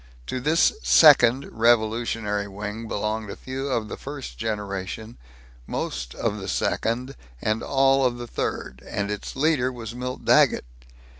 To this second, revolutionary wing belonged a few of the first generation, most of the second, and all of the third; and its leader was Milt Daggett.